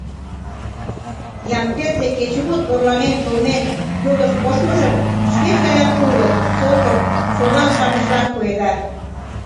Ямперде кечыгут орланен-кылмен йодышт коштмыжым шкеж гаяк тулык, сокыр, чолак-шамычлан пуэда.